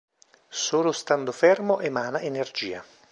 Solo stando fermo emana energia.